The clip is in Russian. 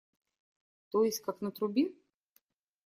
То есть как на трубе?